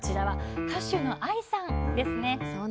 歌手のＡＩさんですね。